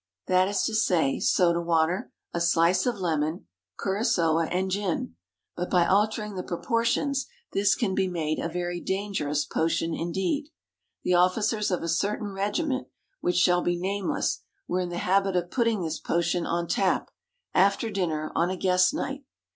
That is to say, soda water, a slice of lemon, curaçoa and gin. But by altering the proportions this can be made a very dangerous potion indeed. The officers of a certain regiment which shall be nameless were in the habit of putting this potion on tap, after dinner on a guest night.